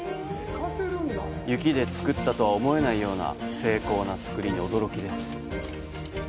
雪でつくったとは思えないような精巧なつくりに驚きです。